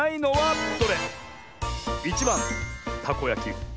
１ばん「たこやき」。